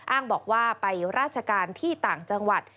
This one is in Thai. อ้างบอกว่าไปราชการที่ต่างจังหวัด